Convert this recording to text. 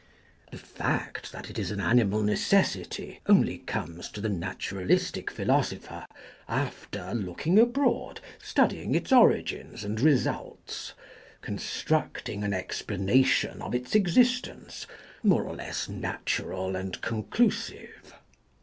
The fact that it is an animal necessity only comes to Maeterlinck the naturalistic philosopher after looking abroad, studying its origins and results, constructing an explanation of its existence, more or less natural and conclusive.